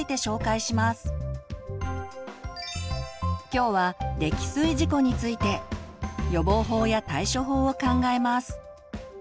今日は「溺水事故」について予防法や対処法を考えます。